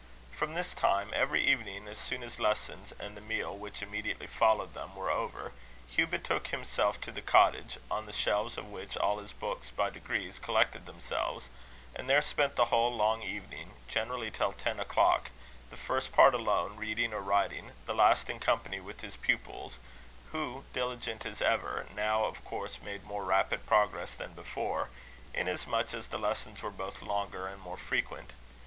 From this time, every evening, as soon as lessons, and the meal which immediately followed them, were over, Hugh betook himself to the cottage, on the shelves of which all his books by degrees collected themselves; and there spent the whole long evening, generally till ten o'clock; the first part alone reading or writing; the last in company with his pupils, who, diligent as ever, now of course made more rapid progress than before, inasmuch as the lessons were both longer and more frequent.